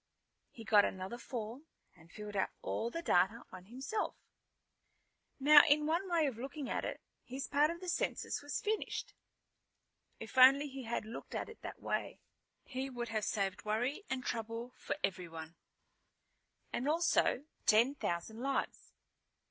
He got another form and filled out all the data on himself. Now, in one way of looking at it, his part in the census was finished. If only he had looked at it that way, he would have saved worry and trouble for everyone, and also ten thousand lives.